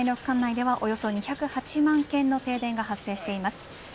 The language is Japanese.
管内でもおよそ２０８万軒の停電が発生しています。